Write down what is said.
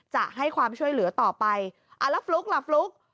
จะให้ความช่วยเหลือต่อไปอ่าแล้วฟลุ๊กล่ะฟลุ๊ก